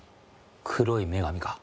黒い女神か。